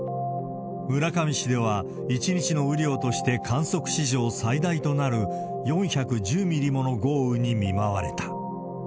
村上市では、１日の雨量として観測史上最大となる４１０ミリもの豪雨に見舞われた。